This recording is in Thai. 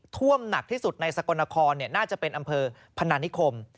ท่วมหนักที่สุดในสกลนครน่าจะเป็นอำเภอพนานิคม